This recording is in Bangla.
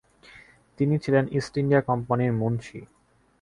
তিনি ছিলেন ইস্ট ইন্ডিয়া কোম্পানির মুনশি।